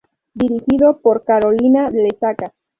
Dirigido por Carolina Lesaca.